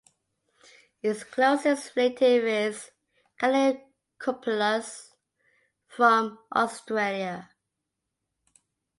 Its closest relative is "Calycopeplus" from Australia.